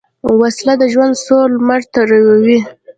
وسله د ژوند سور لمر توروي